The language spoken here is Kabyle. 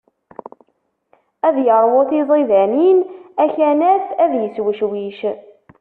Ad yeṛwu tiẓidanin, akanaf ad yeswecwic.